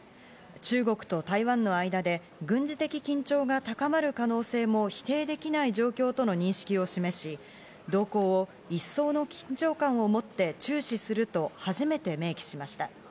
中国と台湾の間で軍事的緊張が高まる可能性も否定できない状況との認識を示し、動向を一層の緊張感をもって注視すると初めて明記しました。